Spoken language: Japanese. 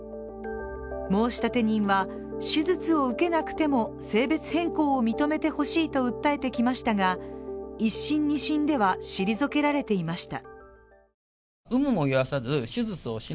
申立人は手術を受けなくても性別変更を認めてほしいと訴えてきましたが１審、２審では退けられていました。